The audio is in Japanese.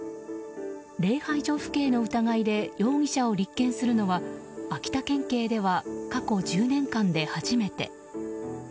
礼拝所不敬の疑いで容疑者を立件するのは秋田県警では過去１０年間で初めて。